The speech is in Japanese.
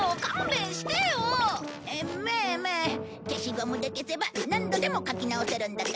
消しゴムで消せば何度でも描き直せるんだから。